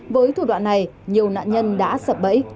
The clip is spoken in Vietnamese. với thủ đoạn này nhiều nạn nhân đã sập bẫy